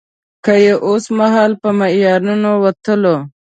که يې د اوسمهال په معیارونو وتلو.